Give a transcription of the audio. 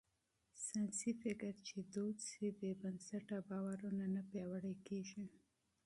ساينسي فکر چې دود شي، بې بنسټه باورونه نه پياوړي کېږي.